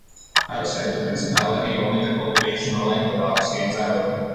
Outside the Principality, only the cultivation in Languedoc stands out.